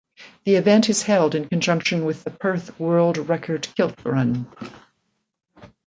The event is held in conjunction with the Perth World Record Kilt Run.